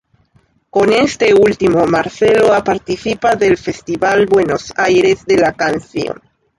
Con este último, Marcelo participa del Festival Buenos Aires de la Canción.